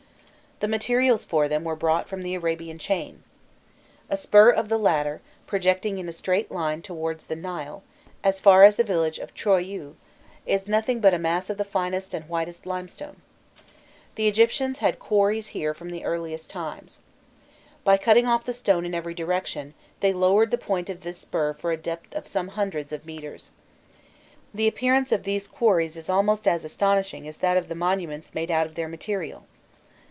The materials for them were brought from the Arabian chain. A spur of the latter, projecting in a straight line towards the Nile, as far as the village of Troiû, is nothing but a mass of the finest and whitest limestone. The Egyptians had quarries here from the earliest times. By cutting off the stone in every direction, they lowered the point of this spur for a depth of some hundreds of metres. The appearance of these quarries is almost as astonishing as that of the monuments made out of their material.